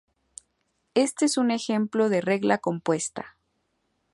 Este es un ejemplo de regla compuesta.